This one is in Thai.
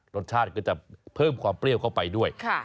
รสชาติก็จะเพิ่มความเปรี้ยวเข้าไปด้วย